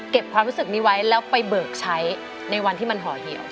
ความรู้สึกนี้ไว้แล้วไปเบิกใช้ในวันที่มันห่อเหี่ยว